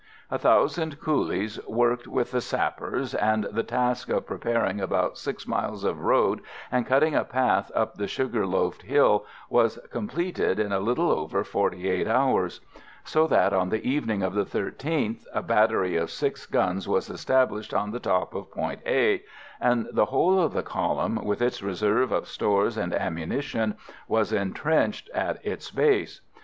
A thousand coolies worked with the sappers, and the task of preparing about 6 miles of road and cutting a path up the sugar loafed hill was completed in a little over forty eight hours; so that on the evening of the 13th a battery of six guns was established on the top of Point A, and the whole of the column, with its reserve of stores and ammunition, was entrenched at its base.